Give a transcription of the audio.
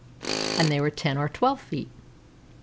and they were ten or twelve feet.